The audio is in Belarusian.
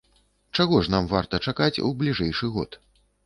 Чаго ж нам варта чакаць у бліжэйшы год?